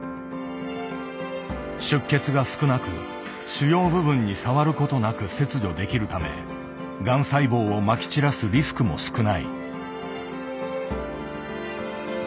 出血が少なく腫瘍部分に触ることなく切除できるためがん細胞をまき散らすリスクも少ない。